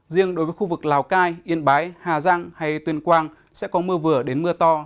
riêng đối với khu vực lào cai yên bái hà giang hay tuyên quang sẽ có mưa vừa đến mưa to